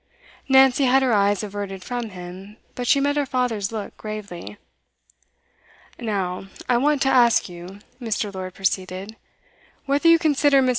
Nancy had her eyes averted from him, but she met her father's look gravely. 'Now, I want to ask you,' Mr. Lord proceeded, 'whether you consider Miss.